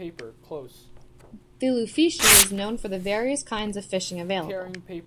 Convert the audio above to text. Vilufushi is known for the various kinds of fishing available.